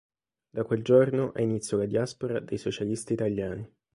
Da quel giorno ha inizio la diaspora dei socialisti italiani.